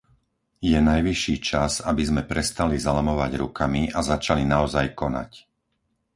Je najvyšší čas, aby sme prestali zalamovať rukami a začali naozaj konať.